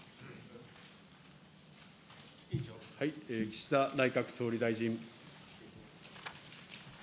岸田内閣総理大臣。